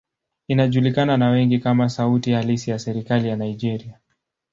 Inajulikana na wengi kama sauti halisi ya serikali ya Nigeria.